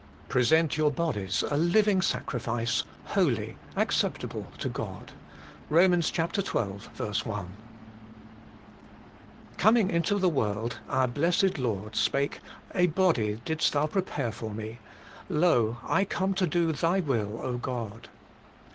'Present your bodies a living sacrifice, holy, acceptable to God.' KOM. xii. 1. /DOMING into the world, our Blessed Lord spake : \J 'A body didst Thou prepare for me; lo, I come to do Thy will, God.'